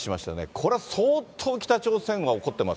これは相当、北朝鮮は怒ってます